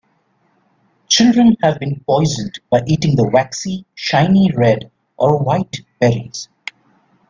Children have been poisoned by eating the waxy, shiny red or white berries.